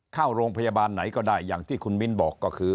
เข้าโรงพยาบาลไหนก็ได้อย่างที่คุณมิ้นบอกก็คือ